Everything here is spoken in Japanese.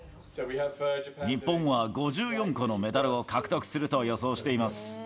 日本は５４個のメダルを獲得すると予想しています。